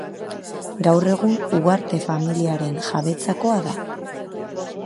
Gaur egun Huarte familiaren jabetzakoa da.